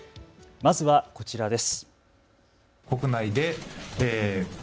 まずはこちらです。